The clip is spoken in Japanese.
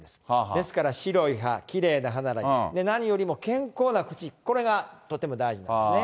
ですから白い歯、健康な歯、それが何よりも健康な口、これがとっても大事なんですね。